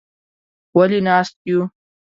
_ولې ناست يو؟